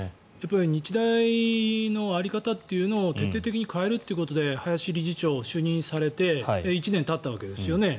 日大の在り方というのを徹底的に変えるということで林理事長が就任されて１年たったわけですよね。